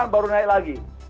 baru naik lagi